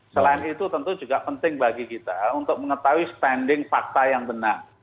selain itu tentu juga penting bagi kita untuk mengetahui standing fakta yang benar